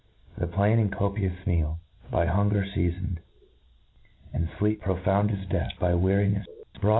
The plain and copious meal, by hunger feafoned, and fleep, profound as death, by wearinefs brought " F on.